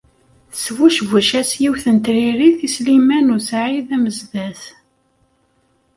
Tesbucbec-as yiwet n tririt i Sliman u Saɛid Amezdat.